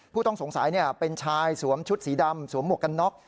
ผู้ต้องสงสัยเป็นชายสวมชุดสีดำสวมหมวกกันน็อก